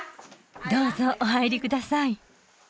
どうぞお入りください